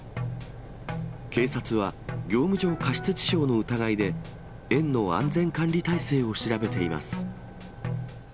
警察は、業務上過失致傷の疑いで、園の安全管理体制を調べています。